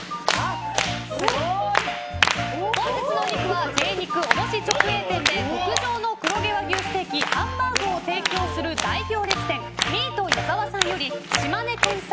本日のお肉は、精肉卸直営店で極上の黒毛和牛ステーキハンバーグを提供する大行列店ミート矢澤さんより島根県産